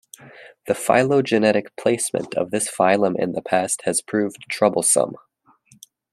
The phylogenetic placement of this phylum in the past has proved troublesome.